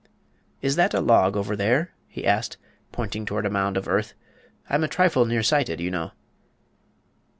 "Is that a log over there?" he asked, pointing toward a mound of earth. "I'm a trifle nearsighted, you know."